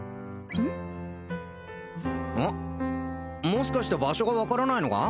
もしかして場所が分からないのか？